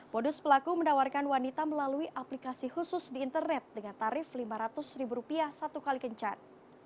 modus pelaku menawarkan wanita melalui aplikasi khusus di internet dengan tarif lima ratus ribu rupiah satu kali kencan